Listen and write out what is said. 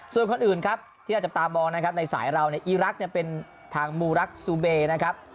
ที่เราจะตามบอกในสายเราอีรักษณ์เป็นทางมูรักซูเบนะครับ